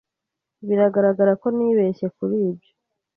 Bigaragara ko nibeshye kuri ibyo.